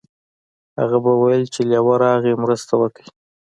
هغه به ویل چې لیوه راغی مرسته وکړئ.